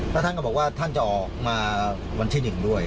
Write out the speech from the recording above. แล้วท่านก็บอกว่าท่านจะออกมาวันที่๑ด้วย